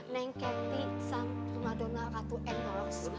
neng kety sama prima dona ratu enrolos